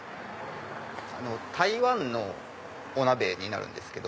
台湾のお鍋になるんですけど。